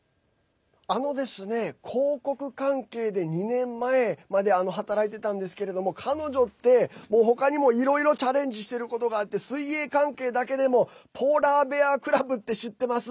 広告関係で２年前まで働いてたんですけど彼女って、他にもいろいろチャレンジしてることがあって水泳関係だけでもポーラーベアークラブって知ってます？